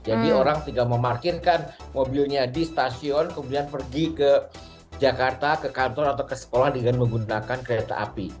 jadi orang tidak memarkirkan mobilnya di stasiun kemudian pergi ke jakarta ke kantor atau ke sekolah dengan menggunakan kereta api